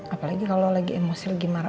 apalagi kalau lagi emosi lagi marah